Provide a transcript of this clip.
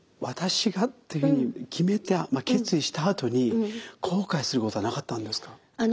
「私が」っていうふうに決めた決意したあとに後悔することはなかったんですか？